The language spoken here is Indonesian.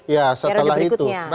ya setelah itu